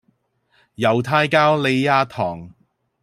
猶太教莉亞堂